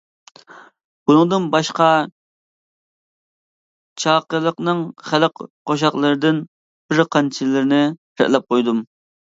بۇنىڭدىن باشقا چاقىلىقنىڭ خەلق قوشاقلىرىدىن بىر قانچىلىرىنى رەتلەپ قويدۇم.